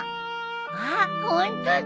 あっホントだ。